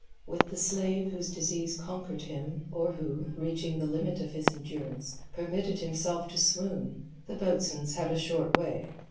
With the slave whose disease conquered him or who, reaching the limit of his endurance, permitted himself to swoon, the boat swains had a short way.